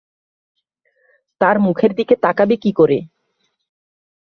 তার মুখের দিকে তাকাবে কী করে?